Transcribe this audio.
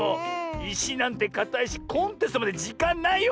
いしなんてかたいしコンテストまでじかんないよ。